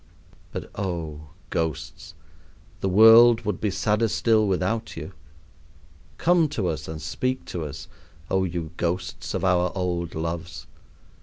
But, oh, ghosts, the world would be sadder still without you. Come to us and speak to us, oh you ghosts of our old loves!